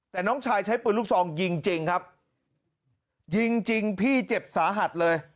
แต่น้องชายใช้ปืนลูกซองยิงจริงครับยิงจริงพี่เจ็บสาหัสเลย